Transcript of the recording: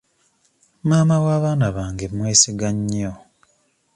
Maama w'abaana bange mwesiga nnyo.